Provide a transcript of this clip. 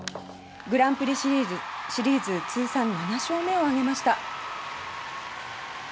グランプリシリーズシリーズ通算７勝目を挙げました。